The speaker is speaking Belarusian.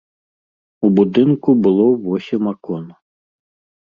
У будынку было восем акон.